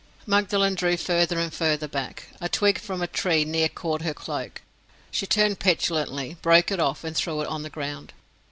Magdalen drew further and further back. A twig from a tree near caught her cloak; she turned petulantly, broke it off, and threw it on the ground.